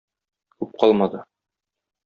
Күп калмады.